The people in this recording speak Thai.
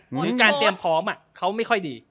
หรือการเตรียมพร้อมเขาไม่ค่อยดี